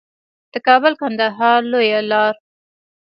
د کابل کندهار لویه لار